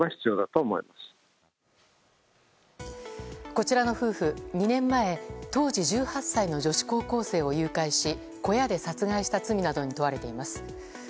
こちらの夫婦、２年前当時１７歳の女子高校生を誘拐し小屋で殺害した罪などに問われています。